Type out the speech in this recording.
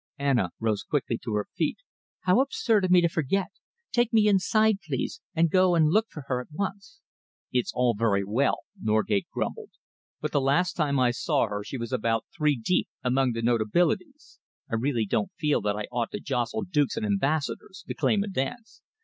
Anna rose quickly to her feet. "How absurd of me to forget! Take me inside, please, and go and look for her at once." "It's all very well," Norgate grumbled, "but the last time I saw her she was about three deep among the notabilities. I really don't feel that I ought to jostle dukes and ambassadors to claim a dance."